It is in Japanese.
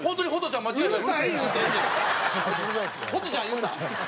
言うな！